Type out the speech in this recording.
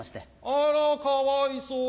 あらかわいそうに。